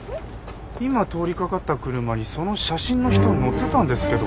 今通りかかった車にその写真の人乗ってたんですけど。